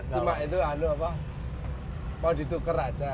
cuma itu mau ditukar aja